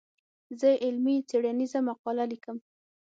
زه علمي څېړنيزه مقاله ليکم.